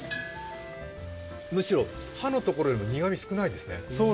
むしろ、葉のところよりも苦み少ないですね。